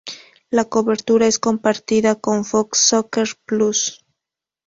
La cobertura es compartida con Fox Soccer Plus.